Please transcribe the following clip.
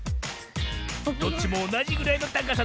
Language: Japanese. どっちもおなじぐらいのたかさだ。